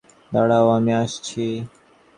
দাঁড়াও, আমি আসছি!